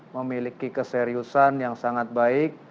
memiliki keseriusan yang sangat baik